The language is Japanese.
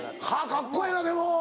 カッコええなでも。